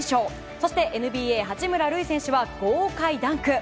そしてＮＢＡ八村塁選手は豪快ダンク。